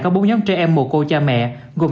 có bốn nhóm trẻ em mù cô cha mẹ gồm